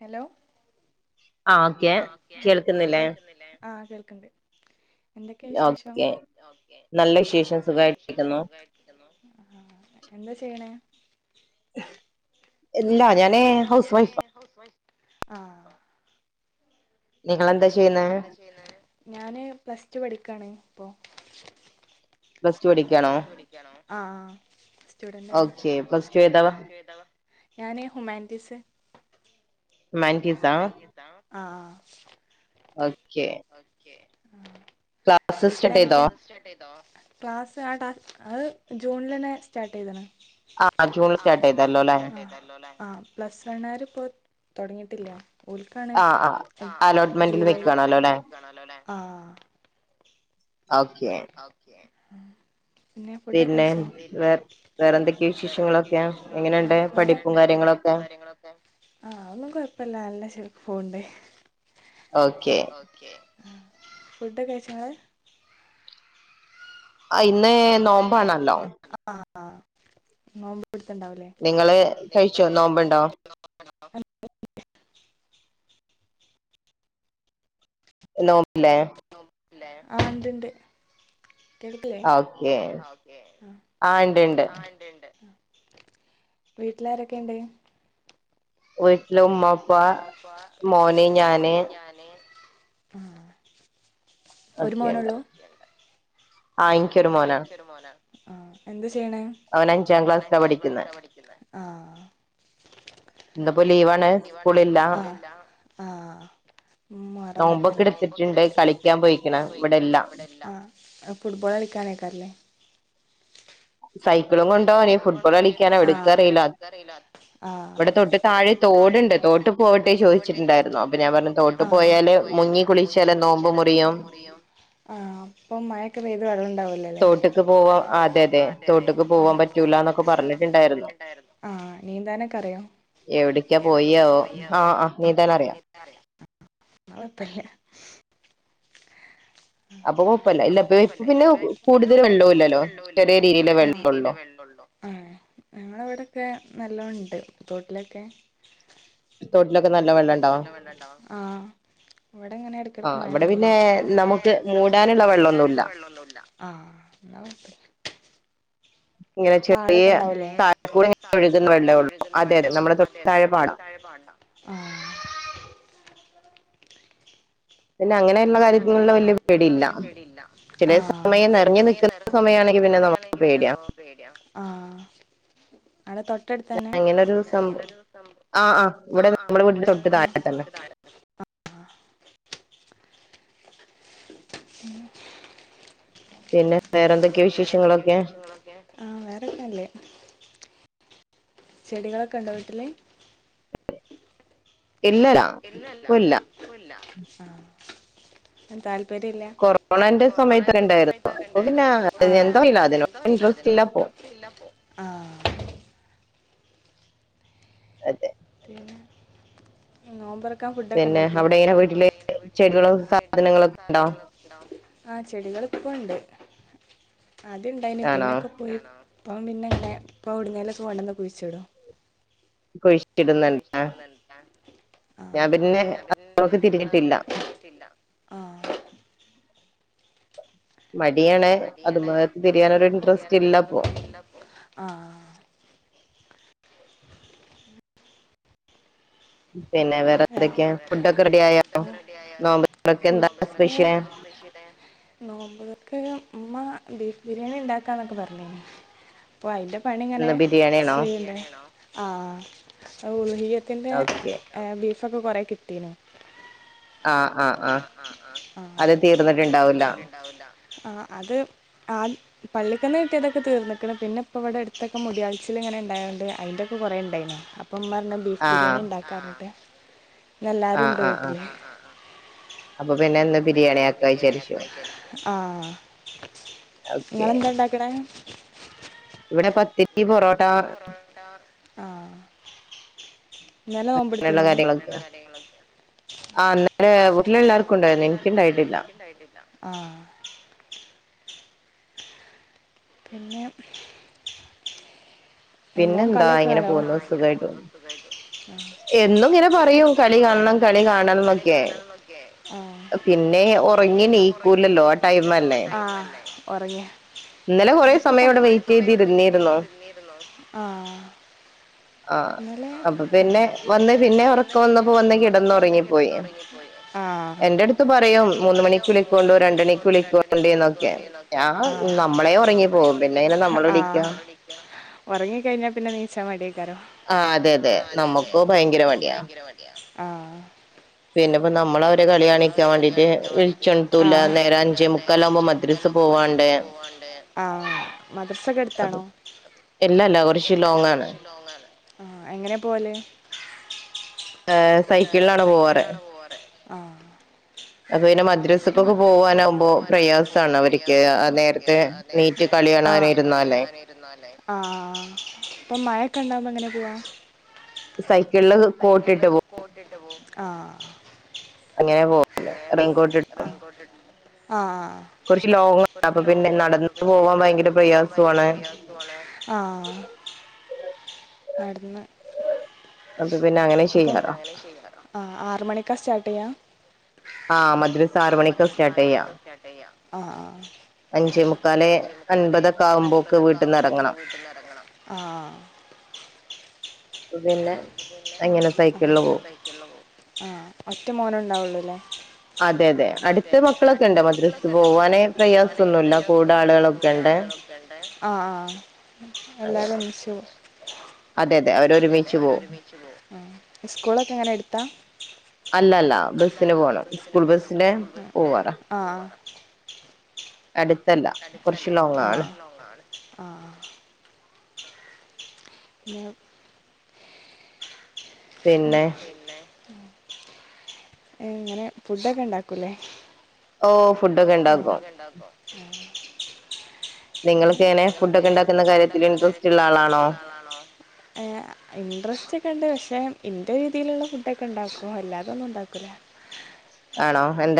Hello ആ okay കേൾക്കുന്നില്ലേ? [inaudible] ആഹ കേൾക്കണ്ട് [inaudible] ഓക്കെ [inaudible] നല്ല ഖ എന്താ ചെയ്യണ [unintelligible] [inaudible] ഇല്ലാ ഞാനേ ഹൗസ് വൈഫ ആ ഞാന് പ്ലസ് ടു പഠിക്കാണ് അപ്പോ ബസ് വടി ആ സ്ുറ് ഞാന ഹുമാന്ന്തീസ് ഹ ആ ഓക്കെ വീട്ടിലാരൊക്കെ ക്ലാസ് ആടാ അത് ജൂണിൽ തന്നെ സ്റ്റാർട്ട് ചെയ്താണ് ആഹ് ജൂൺ സ്റ്റാർട്ട് ആയിതല്ലോ അല്ലേ? ആഹ പ്ലസ് ണ്ണാർപ്പോ തുടങ്ങിയിട്ടില്ല. ക്കാണ് ജൂ അോെന്ണ [inaudible] ഓക്കെ പിന്ന പിന്നെ വേറെന്തൊക്കെ വിശേഷങ്ങളൊക്കെയ വ പഠിപ്പും കാര്യങ്ങളൊക്കെ ആ ഒന്നും കൊഴപ്പല്ല നല്ല ശ പോവുണ്ട് ഓക്കേ ആ ഫുഡ് ഒക്കെ കഴിച്ചോ ഇങ്ങൾ? ഇന്ന നോമ്പ ആണല്ലോ ആ [inaudible] നോമ്പ് നിങ്ങള് കഴിച്ചോ? നോമ്പണ്ടോ? [inaudible] നോമ്പില്ലേ? ആ ഇണ്ട്ണ്ട് [unintelligible] ഓക്കേ ആ ഇണ്ട്ണ്ട് വീട്ടിലാരൊക്കെ ഇണ്ട് വീട്ടില് ഉമ്മഉപ്പ മോന് ഞാന് ആ ഒരു മോനള്ളൂ ആ എനിക്കൊരു മോനാണ് ആ എന്ത് ചെയ്യണം ഓൻ അഞ്ചാം ക്ലാസിലാ പഠിക്കുന്ന ആ ഇന്തപ്പോൊ ലീവാണ് സ്കൂളില്ല മുഹറം പത്തല്ലേ അല്ലേ നോമ്പൊക്കെ എടുത്തിട്ടുണ്ട് കളിക്കാൻ പോയിക്കണ് ഇവിടെയില്ല ഫുട്ബോൾ കളിക്കാൻ പോയതാണ് ലെ എക്കാരല്ലേ സൈക്കിളും കൊണ്ട് ഓന് ഫുഡ് മേടിക്കാൻ എടുക്കറില്ല ഇവിടെ തൊട്ട് ണ്ട് തോട്ട് പോവട്ടെ ചോദിച്ചിട്ടുണ്ടായിരുന്നു അപ്പൊ ഞാൻ പറു തോട്ട് പോയാല് മുങ്ങി കുളിച്ചാല നോമ്പ് മുറിയും നോമ്പ് മുറിയും ആ ഇപ്പം മഴയൊക്കെ പെയ്ത വെള്ള തോട്ടക്ക് പോവാ അതെ അതെ അതെ തോട്ടക്ക് പോവാൻ പറ്റില്ല എന്നൊക്കെ പറഞ്ഞിട്ടുണ്ടായിരുന്നു ആ നീന്താൻ ഒക്കെ അറിയോ എവിടക്കാ പോയിയാആവോ ആ നീന്താൻ അറിയാം ഇന്നാ കുഴപ്പമില്ല അപ്പൊ കുഴപ്പല്ല ഇല്ലപ്പ പിന്നെ പിന്നെ കൂടുതൽ വെള്ളല്ലല്ലോ ചെറിയ രീതിൽ വെള്ളള്ള നല്ല ഉണ്ട് തോട്ടിലൊക്കെ തോട്ടിലൊക്കെ നല്ല വെള്ളമുണ്ടോ ഇവിടെ എങ്ങനെ എ ടക്കടക്ക മഴ പേലടെ പിന്നെ നമുക്ക് മൂടാനുള്ള വെള്ള ഒന്നും ഇല്ല ആ ഇന്നാ കുഴപ്പമില്ല പാടൊക്കെ ഉണ്ടാവില്ലേ തൂങ്ങെ ഒഴുകുന്ന വെള്ളേള്ളൂ അതെ അതെ നമ്മുടെ തൊട്ടാഴെ പാണ്ടാ ആ പിന്ന അങ്ങനെയുള്ള കാര്യങ്ങള വല് പേടിയില്ല ചില സമയം നിറഞ്ഞി നിക്കുന്ന സമയമാണെങ്കി പിന്നെ നമുക്ക് പേടിയാം അവിടെ തൊട്ടടുത്ത് തന്നെ ആ ആ ഇവിടെ നമ്മുടെ വീട്ട തൊട്ട് താഴെ തന്നെ വേറെ എന്തൊക്കെയ വിശേഷങ്ങളൊക്കെ ആ വേറെന്നല്ലേ ചെടികളൊക്കെ ഉണ്ടോ വീട്ടല് ഇല്ലല്ല ഇപ്പല്ല ഞൻ താല്പര് കൊറോണന്റെ സമയത്ത് രണ്ടായിരുന്നു അപ്പ പിന്നെ എന്തോ ഇല്ല അതിനോട് ഇന്ട്രസ്റ്റ് ഇല്ലപോ ആ അതെ പിന്നെ നോമ്പ് തുറ പിന്നെ അവിടെ എങ്ങനെ വീട്ടിലെ ചെടികളും സാധനങ്ങളൊക്കെ ഉണ്ടോ ആ ചെടികൾ ഇക്ക ഉണ്ട് അത്ണ്ടായിന് പിന്നൊക്കെ പോയി അപ്പം പിന്നെ ഇങ്ങനെ ഇപ്പം എവിടുന്നെങ്കിലും ഒക്കെ കൊണ്ടെന്ന് കുഴിചിടും കുഴി കുഴിച്ചിടും നല്ല ആ ഞാൻ പിന്നെഅയ് മക്കട്ടില്ല ആ മടിയണെ അത് [unintelligible] ആഹ് പിന്നെ വേറെ എന്തേക്കായ ഫുഡ്ക്കേ റെഡിയായോ [unintelligible] ഉമ്മ ബീഫ് ബിരിയാണി ഉണ്ടാക്കാന്നൊക്കെ പറഞ്ഞേ അപ്പോൾ അതിൻ്റെ പണിങ്ങനെ ചെയ്യല്ലേ ആഹ് [unintelligible] ബീഫൊക്കെ കൊറെ കിട്ടീനു ആഹ് ആഹ് അത് തീർ അത് തീർന്നട്ട്ണ്ടാവില്ല ആഹ് അത് ആഹ് പള്ളിക്കന്ന് കിട്ടിയത്തൊക്കെ തീർന്ന്ക്ണ് പിന്നെ ഇപ്പ ഇവിടെടുത്ത്ക്കെ മുടിയാൾചില് ഇങ്ങനെണ്ടായോണ്ട് അയിന്റെക്കെ കൊറേ ണ്ടായ്നി അപ് പ്പം മ്മർഞ്ഞ് ബീഫ് ബിരിയാണി ഇ ണ്ടാക്കാർഞ്ഞ്ട്ട് ആഹ് ഇന്ന് എല്ലാരുംണ്ട് വീട്ടില്. ആഹ് ആഹ്. അപ്പൊ പിന്നെ ഇന്ന് ബിരിയാണിയാ ക്ക വിചാര്ച്ചു ആഹ്. ഇങ്ങളെന്താ ഇണ്ടാക്ക്ണേ? ഇവിടെ പ ഇവടെ പത്തിരി, പൊറോട്ട ആഹ് ഇന്നലെ നോമ്പട്ത്തീനോ? ആഹ് ഇന്നലെ വീട്ട്ല് എല്ലാർക്കും ഇണ്ടായ്നി. ഇൻക്കിണ്ടായിട്ടില്ല. പിന്നെ ആഹ് മോൻ കളിയൊക്കെ കാണോ?. ആഹ് ഇങ്ങനെ പോന്നു സുഗായിട്ട് പോന്നു. എന്നുംങ്ങനെ പറയും കളി കാണണം കളി കാണണം ന്നൊക്കെ പിന്നെ ഒറ പിന്നെ ഒർങ്ങി ണീക്കുലല്ലോ ആ ടൈം അല്ലേ. ആഹ് ഒറങ്ങിയ ഇന്ന് കൊറേ സമയം ഇവിടെ വെയിറ്റെയ്തിരുന്നിരുന്നു. ആഹ് ഇന്നലെ ആഹ് അപ്പ പിന്നെ വന്ന് പിന്നെ ഒറക്കംവന്നപ്പോ വന്ന് കിടന്നുറങ്ങിപ്പോയി. എന്റെടുത്ത് പറയും മൂന്ന് മണിക്ക് വിളിക്കോണ്ടു രണ്ടണിക്ക് വിളിക്കോണ്ടിന്നൊക്കെ ഞാ നമ്മളെ ഒറങ്ങി പോകും. പിന്നെ എങ്ങന നമ്മള് വിളിക്കാ. ഒറങ്ങി കഴിഞ്ഞാ പിന്നെ നീച്ചാ മടിയേയ്ക്കാരം. ആഹ് അതേയതെ നമുക്കോ ഭയങ്കര മടിയാ. ആഹ്. പിന്നെപ്പ നമ്മള് അവരെ കളി കാണിക്കാൻ വേണ്ടീട്ട് വിൾച്ചൊൺത്തൂല്ല. നേരം അഞ്ചേ മുക്കാലാമ്പോ മദ്ര മുക്കലാമ്പോ മദ്രസ് പോവാണ്ട്. ആഹ് മദ്രസക്കെട് ത്താണോ? ഇല്ലല്ല കൊർച്ച് ലോങ്ങ്‌ ആണ്. ഏങ്ങനെയാ പോവല്? ഏഹ് സൈക്കിൾലാണ് പോവാറ്. ആഹ്. അപ്പൊ പിന്നെ മദ്രസക്കൊക്കെ പോവാനാവുമ്പോ പ്രയാസാണ് അവര്ക്ക് ആ നേര്ത്തെ ണീറ്റ് ആഹ് [unintelligible] കളിയാണാൻ ഇര്ന്നാല്ലേ. ആഹ് പ്പൊ മഴൊക്കെ ഇണ്ടാവകുമ്പോ എങ്ങനെ പോവാ സൈക്കിൾ കോട്ടിട്ട് പോകും ആഹ് അങ്ങനെ പോവു ല്ലേ റെയിൻകോട്ട് ഇട്ടും ആഹ് കുറച്ച് ലോങ്ങാണ് അപ്പൊ പിന്നെ നടന്ന പോകാൻ ഭയങ്കര പ്രയാസും ആണ് ആഹ് ആഹ് നടന്ന് അപ്പൊ ആഹ് ആറ് മണിക്കാ സ്റ്റാർട്ട് ചെയ്യ ആഹ് മദ്രസ ആറു മണിക്ക സ്റ്റാട്ടു ചെയ്യാ ആഹ് അഞ്ചേ മുക്കാല് അൻപതൊക്കെ ആവുമ്പോക്കെ വീട്ടിന്ന് ഇറങ്ങണം ആഹ് ആഹ് ഒറ്റ മോനേ ഇണ്ടാവുള്ളൂ അതെ അതെ അടുത്ത മക്കളൊക്കെ ഉണ്ട് മദ്രസ്ൽ പോവാനെ പ്രയാസംന്നുല്ല കൂടെ ആളുകളൊക്കെ ഉണ്ട് ആഹ് ആഹ് എല്ലാരും ഒന്ന്ച്ചു പോവും അതെയതെ അവര് ഒരുമിച്ചു പോകും സ്കൂളൊക്കെ എങ്ങനെ എടുത്താ അല്ല അല്ല ബസ്സിന് പോണം സ്കൂൾ ബസിന്റെ പോവാറാ അടുത്തല്ല കുറച്ച് ലോങ്ങാണ് ആഹ് പിന്നെ പിന്നെ ഇങ്ങനെ ഫുഡൊക്കെ ഇണ്ടാക്കൂലെ ഓഹ് ഫുണ്ടൊക്കെ ഉണ്ടാകും നിങ്ങ് നിങ്ങൾക്ക് നെ ഫുണ്ടക്കെ ഉണ്ടാക്കുന്ന കാര്യത്തിൽ ഇൻട്രസ്റ്റ് ഇള്ള ആളാണോ എഹ് ഇൻട്രസ്റ്റ് ണ്ട് പക്ഷെ എന്റെ രീതിയിലുള്ള ഫുഡക്കെ ഉണ്ടാക്കും അല്ലാതൊന്നും ഉണ്ടാക്കൂല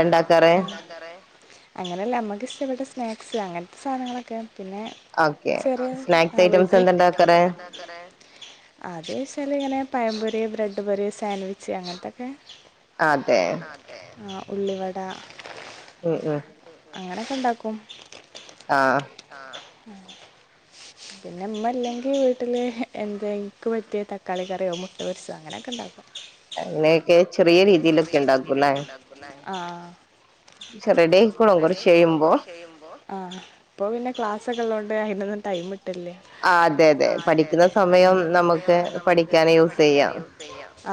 ആണോ എന്തണ്ടാക്കാറ് അങ്ങനല്ല നമ്ക്ക് ഇഷ്ട്ടപ്പെട സ്നാക്സ് അങ്ങനത്തെ സാധനങ്ങളക്കെ പിന്നെ ചെറിയ ആ വീട്ടിൽ വറത്തയിറ്റംസ് എന്തണ്ടാക്കാറ് ആത് ശെലയില പയം പൊരി ണ്ടപ്പൊരി സാൻവിച്ച് അങ്ങൻ ത്തക്കെ ആട്ടെ ആ ഉള്ളിവട ഉം ഉം അങ്ങനക്കെ ഉണ്ടാക്കും ആഹ് [inaudible] പിന്നമ്മ ഇല്ലെങ്കിൽ വീട്ടില് എഹ് എന്ത ക്ക് പറ്റിയ തക്കാളി കറിയോ മുട്ട പൊരിശ് ദ് അങ്ങനക്കെ ഉണ്ടാക്കും അങ്ങനെ ക്കെ ചെറിയ രീതിയിലൊക്കെ ഉണ്ടാക്കുന്നാ ആ റെഡിയായി പാം കുറച്ച് കഴിയുമ്പം പാം അ ഇപ്പ പിന്നെ ക്ലാസ്ക്കെള്ളണ്ട് അതിനൊന്നും ടൈം മ് - - ആ അതെ അതെ പഠിക്കുന്ന സമയം നമുക്ക് പഠിക്കാൻ യൂസ് ചെയ്യാം. ക്കാനായ് യൂസ് ചെയ്യാം ആ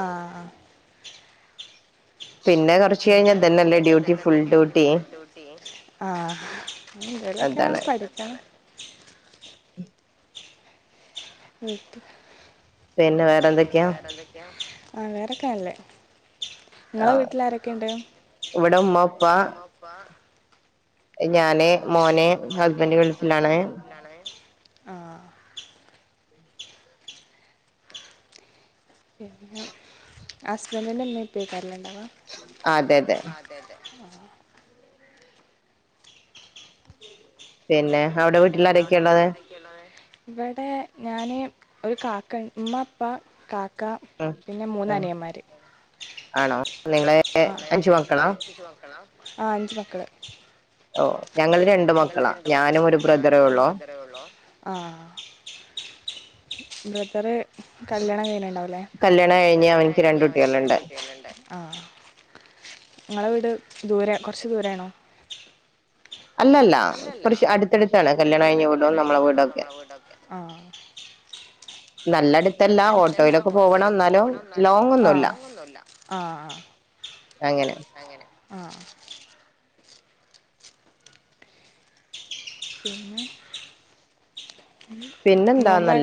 പിന്നെ പിന്നെ കൊറച്ച് കഴിഞ്ഞാൽ തന്നെല്ല ഡ്യൂട്ടി ഫുൾ ഡ്യൂട്ടി ആ [unintelligible] പടുത്തം [unintelligible] ആ വേറെക്കെല്ലേ നിങ്ങളെ വീട്ടിൽ ആരൊക്കെ ഉണ്ട് ഇവിടെ ഉമ്മ ഉപ്പ ഞാനേ മോനേ ഹസ്ബൻഡ് ഗൾഫിലാണ്. പിന്നെ ഹസ്ബന്റിന്റെ അമ്മ പ്പ ഇല്ല ല്ലേ അതെതെ [inaudible] പിന്നെ അവിടെ വീട്ടിലാരെക്കെയുണ്ട് ഇവിടെ ഞാൻ ഒരു കാക്ക ഉ മ്മപ്പ കാക്ക പിന്നെ മൂന്നനിയന്മാർ ആണോ നിങ്ങള് എ അഞ്ചു മക്കളാ ഓ ഞങ്ങള് രണ്ട് മക്കളാ ഞാനും ഒരു ബ്രദറേള്ളോ. [inaudible] കല്ല്യാണം കഴിഞ്ഞട്ടുണ്ടാവില്ലേ. കല്യാണം കഴിഞ്ഞ് അവനിക്ക് രണ്ട് കുട്ടികളുണ്ട് ങ്ങളെ വീട് ദൂരെ കുറച്ചു ദൂരെ ആണോ അല്ലല്ല കുറച്ച് അടുത്തടുത്താണ് കല്യാണം കഴിഞ്ഞ വീടോ നമ്മളെ വീട് ഒക്കെ. നല്ലടത്തല്ല ഓട്ടോയിലൊക്കെ പോവണം എന്നാലും ലോങ്ങൊന്നുവല്ല. അങ്ങനെ ആ പിന്നെ നോമ്പോ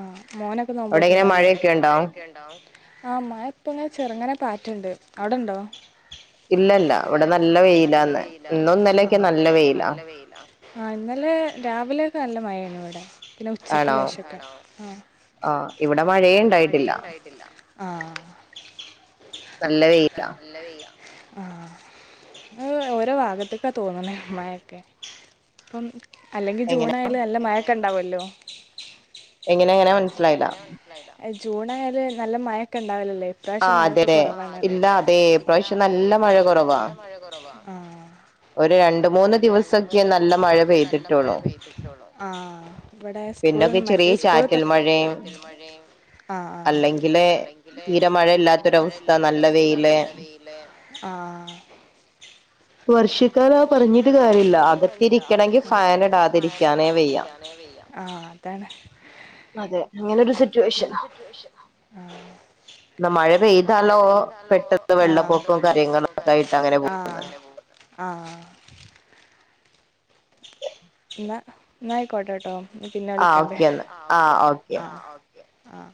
ആ് മോനൊക്കെ നോമ്പോയിട്ടുണ്ടാവലോ ആ മഴ ഇപ്പങ്ങനെ ചെറുങ്ങനെ പാറ്റുണ്ട് അവിടെണ്ടോ ഇല്ല ഇല്ല ഇവിടെ നല്ല വെയിലാന്ന് ഇന്നൊന്നലൊക്കെ നല്ല വെയിലാ ആഹ ഇന്നലെ രാവിലെയൊക്കെ നല്ല മഴയാണ് ഇവിടെ പിന്നെ ഉച്ചക്ക് ശേഷൊക്കെ ആ ആഹ ഇവിടെ മഴയ ഉണ്ടായിട്ടില്ല നല്ല വെയില ആ അ ഓരോ ഭാഗത്തക്കാ തോന്നുന്നത് മയൊക്കെ പ്പം അല്ലെങ്കി ജൂൺ ആയാല നല്ല മഴക്ക ഉണ്ടാവല്ലോ എങ്ങനെ എങ്ങനെ മനസ്സിലായില്ല ജൂൺ ആയാൽ നല്ല മഴ ക്കൊണ്ട് ഉണ്ടാവല്ലേ ഇപ്രാവശ്യം മഴയൊക്കെ കുറവതെ പിന്നെ അതെ ഇപ്രാവശ്യം നല്ല മഴ കുറവാാണ് ആ ഒരു രണ്ട മൂന്ന് ദിവസൊക്കെ നല്ല മഴ പെയതിിട്ടുള്ളു സ്കൂ ൾ മറ്റ സ്കള ആ അല്ലെങ്കില് തീരമഴ ഇല്ലാത്തരവസ്ഥ നല്ല വെയില് ആ വർഷത്തോട പറഞ്ഞട്ട് കാര്യമില്ലാ അകത്തിരി ക്കണമെങ്കിൽ ഫാൻ ഇടാതിരിക്കാനേ വെയ്യ ആ തന്നെ അതെ അങ്ങനെ ഒരു സി അങ്ങനൊരു സിറ്റുവേഷൻ ഇ മഴ പെയ്താലോ പെട്ടെന്ന് വെള്ളപ്പൊക്കവും കാര്യങ്ങളും ഒക്കെ ആയിട്ട് അങ്ങനെ പോകുന്നത് ആഹ എന്ന എന്നായിക്കോട്ടെട്ടോ പിന്നെ വിളിക്കണ്ട് ആ